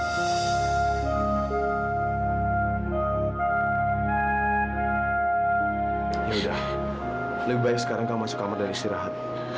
sudah lebih baik sekarang kamu masuk kamar dan istirahat